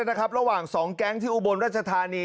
ระหว่าง๒แก๊งที่อุบลราชธานี